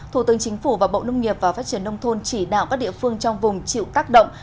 thủ tướng chính phủ và bộ nông nghiệp và phát triển nông thôn chỉ đạo các địa phương trong vùng chịu tác động